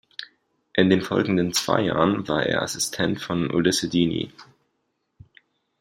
In den folgenden zwei Jahren war er Assistent von Ulisse Dini.